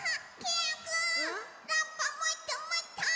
ラッパもっともっと！